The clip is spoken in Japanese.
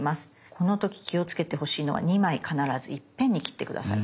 この時気をつけてほしいのは２枚必ずいっぺんに切って下さい。